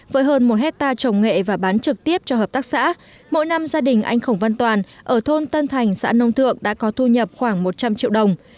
với hơn một hectare trồng nghệ và bán trực tiếp cho hợp tác xã mỗi năm gia đình anh khổng văn toàn ở thôn tân thành xã nông thượng đã có thu nhập khoảng một trăm linh triệu đồng